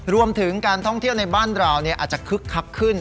รวมถึงการเที่ยวอาจจะขึกขับขึ้น